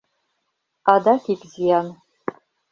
Адак ик зиян...